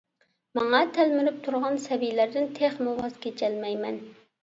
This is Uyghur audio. ماڭا تەلمۈرۈپ تۇرغان سەبىيلەردىن تېخىمۇ ۋاز كېچەلمەيمەن!